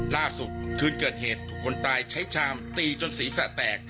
ล่าสุดคืนเกิดเหตุถูกคนตายใช้ชามตีจนศีรษะแตก